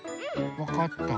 わかった。